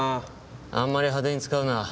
あんまり派手に使うな。